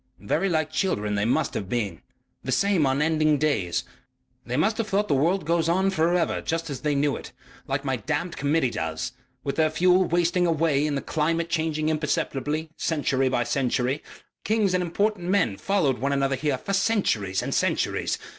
"Very like children they must have been. The same unending days. They must have thought that the world went on for ever just as they knew it like my damned Committee does.... With their fuel wasting away and the climate changing imperceptibly, century by century.... Kings and important men followed one another here for centuries and centuries....